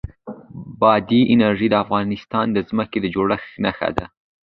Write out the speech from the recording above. بادي انرژي د افغانستان د ځمکې د جوړښت نښه ده.